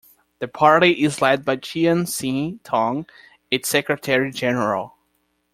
The party is led by Chiam See Tong, its Secretary-General.